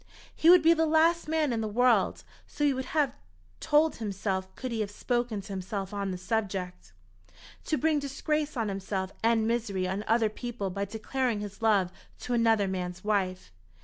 He would be the last man in the world, so he would have told himself could he have spoken to himself on the subject, to bring disgrace on himself and misery on other people by declaring his love to another man's wife.